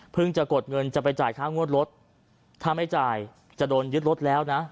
จะกดเงินจะไปจ่ายค่างวดรถถ้าไม่จ่ายจะโดนยึดรถแล้วนะ